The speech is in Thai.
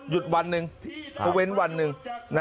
ยุดวันหนึ่งเครื่องนิเวศวันหนึ่ง